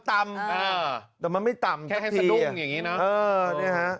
แต่มันไม่ต่ำแค่ให้สะดุ้งอย่างนี้เนอะ